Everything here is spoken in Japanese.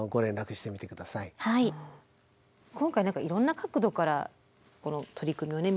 今回何かいろんな角度からこの取り組みをね